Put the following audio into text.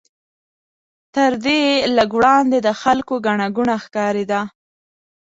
تر دې لږ وړاندې د خلکو ګڼه ګوڼه ښکارېده.